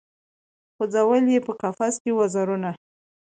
خو ځول یې په قفس کي وزرونه